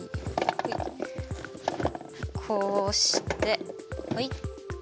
こうしてほい。